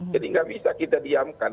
jadi tidak bisa kita diamkan